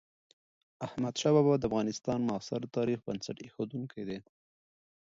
احمدشاه بابا د افغانستان د معاصر تاريخ بنسټ اېښودونکی دی.